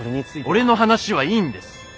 俺の話はいいんです。